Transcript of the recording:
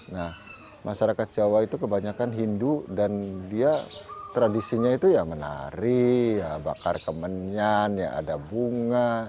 nah masyarakat jawa itu kebanyakan hindu dan dia tradisinya itu ya menari bakar kemenyan ya ada bunga